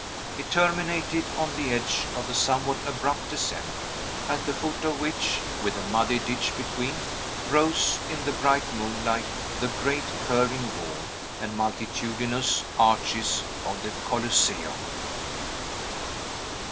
It terminated on the edge of a somewhat abrupt descent, at the foot of which, with a muddy ditch between, rose, in the bright moonlight, the great curving wall and multitudinous arches of the Coliseum.